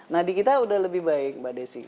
nah di kita sudah lebih baik mbak desi